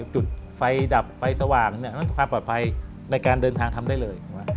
จุดไฟดับที่สว่างเนี่ยข้อบรรยาในการเดินทางทำได้เลย